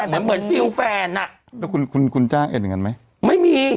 แบบเหมือนฟิลแฟนอ่ะแล้วคุณคุณคุณจ้างเอ็ดอย่างงั้นไหมไม่มี